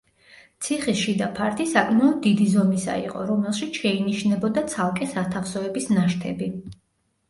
ციხის შიდა ფართი საკმაოდ დიდი ზომისა იყო, რომელშიც შეინიშნებოდა ცალკე სათავსოების ნაშთები.